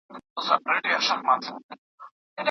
د ماین پاکۍ پروګرامونه روغتیا سره څه تړاو لري؟